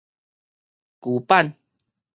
舊版